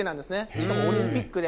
しかもオリンピックで。